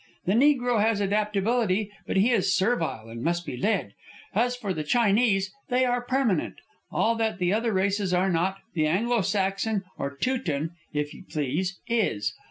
The Negro has adaptability, but he is servile and must be led. As for the Chinese, they are permanent. All that the other races are not, the Anglo Saxon, or Teuton if you please, is.